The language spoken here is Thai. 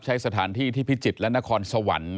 ใช้สถานที่ที่พิจิตรและนครสวรรค์